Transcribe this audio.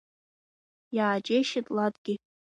Иааџьеишьеит Ладгьы.